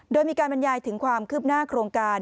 โดยมีการบรรยายถึงความคืบหน้าโครงการ